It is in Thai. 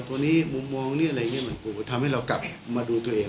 ตัวนี้มุมมองหรืออะไรอย่างนี้มันทำให้เรากลับมาดูตัวเอง